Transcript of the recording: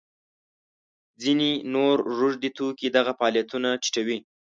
ځینې نور روږدي توکي دغه فعالیتونه ټیټوي.